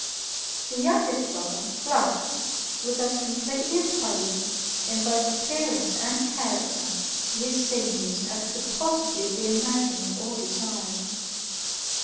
The youngest brother, Gluck, was as completely opposed, in both appearance and character, to his seniors as could possibly be imagined or desired.